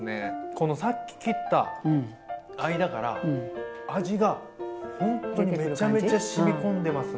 このさっき切った間から味がほんとにめちゃめちゃしみ込んでますね。